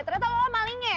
ternyata lo malingnya ya